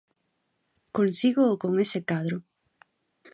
Consígoo con ese cadro.